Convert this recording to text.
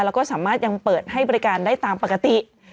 แล้วก็สามารถยังเปิดให้บริการได้ตามปกติ